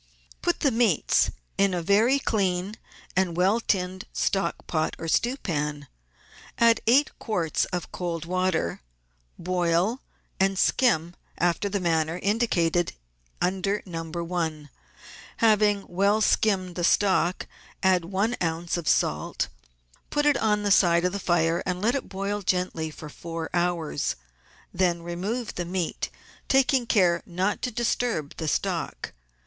— Put the meats in a very clean and well tinned stockpot or stewpan. Add eight quarts of cold water, boil, and skim after the manner indicated under No. i. Having well skimmed the stock add one oz. of salt, put it on the side of 6o GUIDE TO MODERN COOKERY the fire, and let it boil gently for four hours. Then remove the meat, talcing care not to disturb the stock.